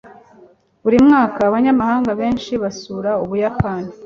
Buri mwaka abanyamahanga benshi basura Ubuyapani.